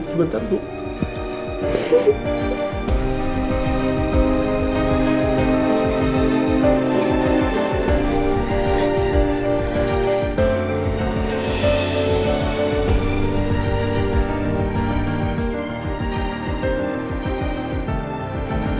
sebaiknya kita berangkat saja sekarang